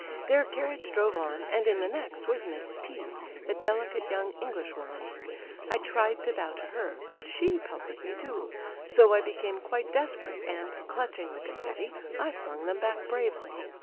Their carriage drove on, and in the next was Miss T , a delicate young English woman. I tried to bow to her, but she pelted me, too; so I became quite desperate, and, clutching the confetti, I flung them back bravely.